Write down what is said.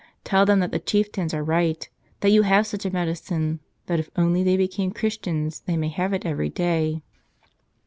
Tell them that the chieftains are right, that you have such a medicine, that if only they became Christians they may have it every day."